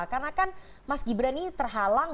karena kan mas gibran ini terhalang